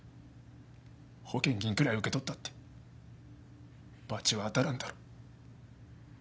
保険金ぐらい受け取ったってバチは当たらんだろう。